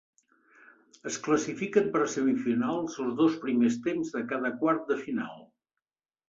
Es classifiquen per a semifinals els dos primers temps de cada quart de final.